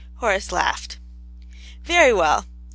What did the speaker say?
Horace laughed. "Very well.